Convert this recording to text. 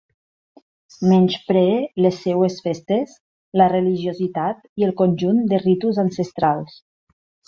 Menyspree les seues festes, la religiositat i el conjunt de ritus ancestrals.